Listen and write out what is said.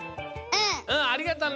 うん！ありがとね！